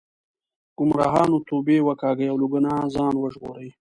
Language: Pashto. ګمراهانو توبې وکاږئ او له ګناه ځان وژغورئ.